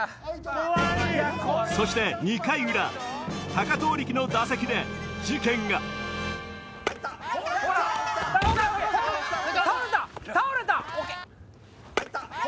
そして２回裏貴闘力の打席で事件が倒れた！